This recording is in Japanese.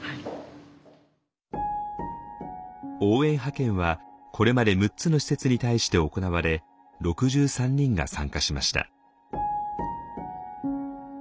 応援派遣はこれまで６つの施設に対して行われ６３人が参加しました。